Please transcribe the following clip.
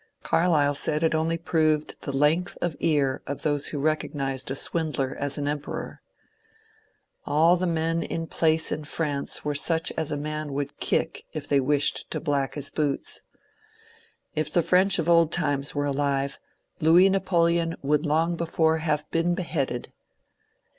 Carlyle said it only proved the length of ear of those who recognized a swindler as an Emperor. All the men in place in France were such as a man would kick if they wished to black his boots. If the French of old times were alive, Louis Napoleon would long before have been beheaded.